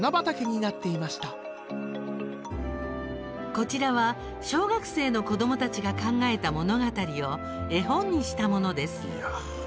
こちらは、小学生の子どもたちが考えた物語を絵本にしたものです。